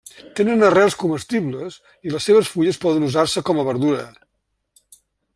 Tenen arrels comestibles i les seves fulles poden usar-se com a verdura.